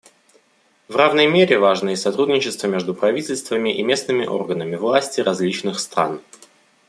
В равной мере важно и сотрудничество между правительствами и местными органами власти различных стран.